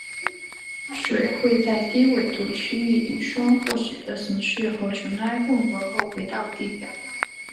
水会在低纬度区域以霜或雪的形式和尘埃混合后回到地表。